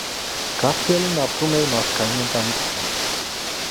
Գարֆիելդն ապրում էր մարդկային ընտանիքում։